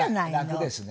楽ですね。